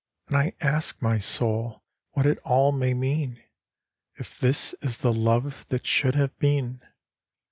And I ask my soul what it all may mean: If this is the love that should have been.